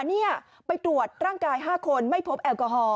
นี่ไปตรวจร่างกาย๕คนไม่พบแอลกอฮอล